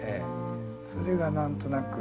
それが何となく。